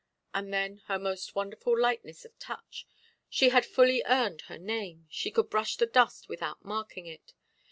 And then her most wonderful lightness of touch; she had fully earned her name, she could brush the dust without marking it.